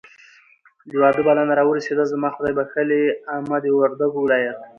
د واده بلنه راورسېده. زما خدایبښلې عمه د وردګو ولایت